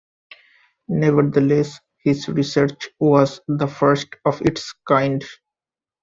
Nevertheless, his research was the first of its kind.